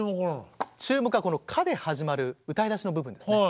注目はこの「か」で始まる歌い出しの部分ですね。